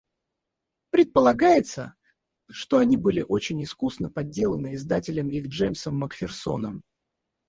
Предполагается, что они были очень искусно подделаны издателем их Джемсом Макферсоном.